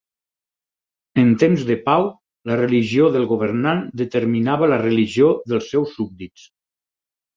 En temps de pau, la religió del governant determinava la religió dels seus súbdits.